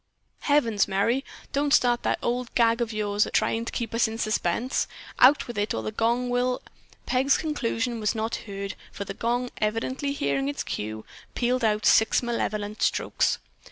"Heavens, Merry! Don't start that old gag of yours, trying to keep us in suspense. Out with it or the gong will——" Peg's conclusion was not heard, for the gong, evidently hearing its cue, pealed out six malevolent strokes.